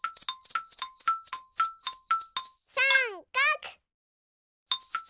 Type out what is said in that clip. さんかく！